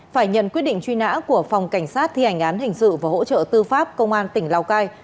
phải nhận quyết định truy nã của phòng cảnh sát thi hành án hình sự và hỗ trợ tư pháp công an tỉnh lào cai